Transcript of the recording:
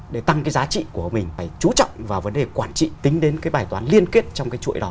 để tăng cái giá trị của mình phải chú trọng vào vấn đề quản trị tính đến cái bài toán liên kết trong cái chuỗi đó